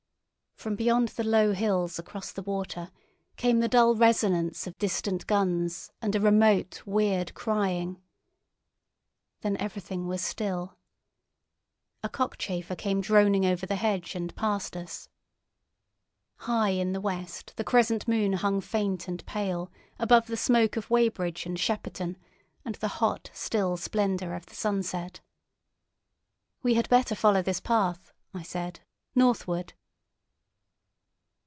From beyond the low hills across the water came the dull resonance of distant guns and a remote weird crying. Then everything was still. A cockchafer came droning over the hedge and past us. High in the west the crescent moon hung faint and pale above the smoke of Weybridge and Shepperton and the hot, still splendour of the sunset. "We had better follow this path," I said, "northward."